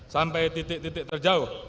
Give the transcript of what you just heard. sampai titik titik terjauh